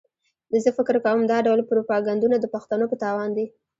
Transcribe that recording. زه فکر کوم دا ډول پروپاګنډونه د پښتنو په تاوان دي.